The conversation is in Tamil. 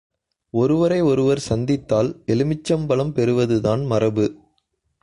ஒருவரை ஒருவர் சந்தித்தால் எலுமிச்சம்பழம் பெறுவதுதான் மரபு!